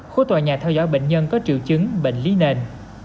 khối tòa nhà theo dõi bệnh nhân có triệu chứng bệnh lý nền